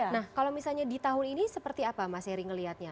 nah kalau misalnya di tahun ini seperti apa mas heri ngelihatnya